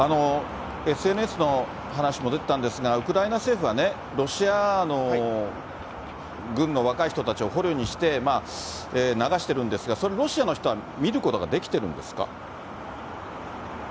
ＳＮＳの話も出てたんですが、ウクライナ政府はね、ロシアの軍の若い人たちを捕虜にして、流してるんですが、それ、ロシアの方は見ることができているんですか。